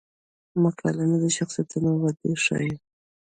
مکالمې د شخصیتونو وده ښيي.